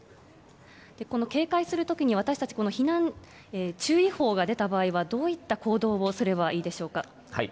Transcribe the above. この警戒するときに私たち、避難注意報が出た場合は、どういった行動をすればいいでしょうか。